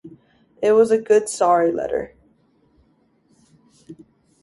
It was a good sorry letter.